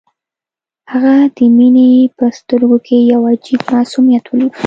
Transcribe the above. هغه د مينې په سترګو کې يو عجيب معصوميت وليد.